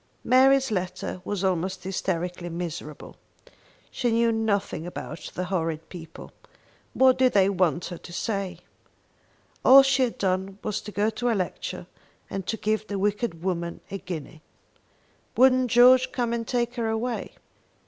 Mary's letter was almost hysterically miserable. She knew nothing about the horrid people. What did they want her to say? All she had done was to go to a lecture, and to give the wicked woman a guinea. Wouldn't George come and take her away.